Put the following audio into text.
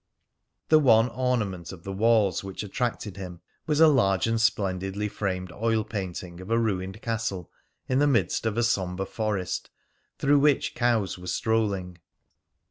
The one ornament of the walls which attracted him was a large and splendidly framed oil painting of a ruined castle in the midst of a sombre forest through which cows were strolling.